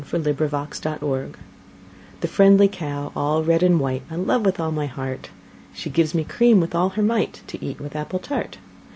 XXIII The Cow The friendly cow all red and white, I love with all my heart: She gives me cream with all her might, To eat with apple tart.